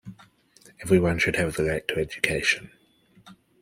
Everyone should have the right to education.